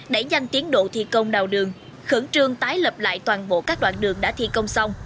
đẩy nhanh tiến độ thi công đào đường khẩn trương tái lập lại toàn bộ các đoạn đường đã thi công xong